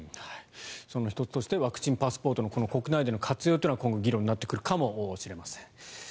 その１つとしてワクチンパスポートの活用は今後、議論になってくるかもしれません。